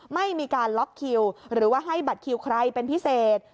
ไม่มีการล็อกคิวหรือว่าให้บัตรคิวใครเป็นพิเศษ